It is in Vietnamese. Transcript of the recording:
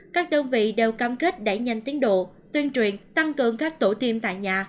các đơn vị đều cam kết đẩy nhanh tiến độ tuyên truyền tăng cường các tổ tiêm tại nhà